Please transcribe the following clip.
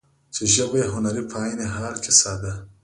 چې ژبه يې هنري په عين حال کې ساده ،